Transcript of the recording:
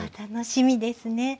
楽しみですね。